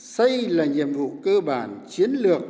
xây là nhiệm vụ cơ bản chiến lược